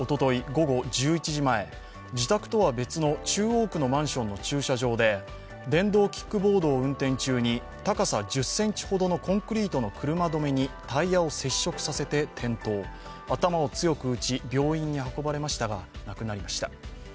午後１１時前、自宅とは別の中央区のマンションの駐車場で電動キックボードを運転中に高さ１０ｃｍほどのコンクリートの車どめにタイヤを接触させて転倒、頭を強く打ち、病院に運ばれましたが、亡くなりました。